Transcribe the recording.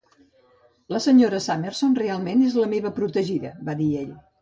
"La senyora Summerson realment és la meva protegida", va dir ell.